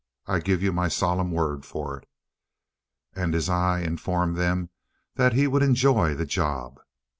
I give you my solemn word for it!" And his eye informed them that he would enjoy the job.